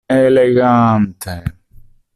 Elegante!